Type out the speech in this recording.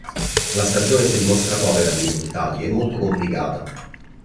La stagione si dimostra povera di risultati e molto complicata.